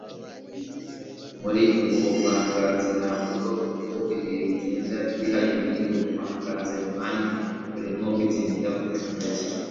muri ubu buvanganzo nyamvugo, uko ibihe bijyenda biha ibindi ubuvanganzo nyabami burimo bugenda bucumbagira